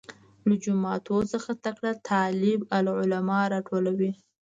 له جوماتو څخه تکړه طالب العلمان راټولوي.